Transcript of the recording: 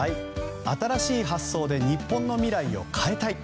新しい発想で日本の未来を変えたい。